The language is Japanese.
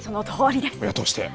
親として。